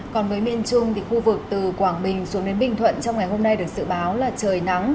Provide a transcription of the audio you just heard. còn với miền trung thì khu vực từ quảng bình xuống đến bình thuận trong ngày hôm nay được dự báo là trời nắng